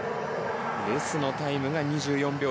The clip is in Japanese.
レスのタイムが２４秒１２。